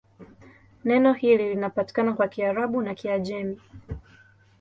Neno hili linapatikana kwa Kiarabu na Kiajemi.